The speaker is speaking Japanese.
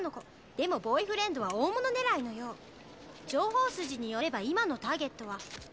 「でもボーイフレンドは大物狙いのよう」「情報筋によれば今のターゲットは」